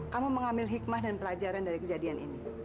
kamu mengambil hikmah dan pelajaran dari kejadian ini